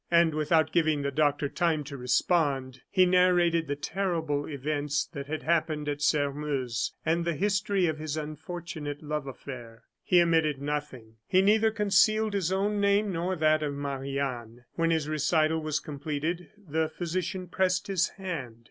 And without giving the doctor time to respond, he narrated the terrible events that had happened at Sairmeuse, and the history of his unfortunate love affair. He omitted nothing. He neither concealed his own name nor that of Marie Anne. When his recital was completed, the physician pressed his hand.